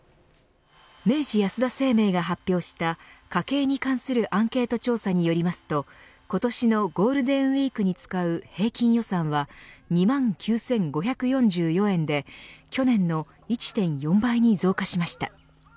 明治安田生命が発表した家計に関するアンケート調査によりますと今年のゴールデンウイークに使う平均予算は２万９５４４円で去年の１．４倍に増加しました。